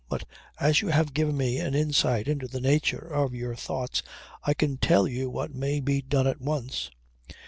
But as you have given me an insight into the nature of your thoughts I can tell you what may be done at once.